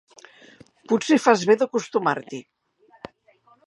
Potser fas bé d'acostumar-t'hi.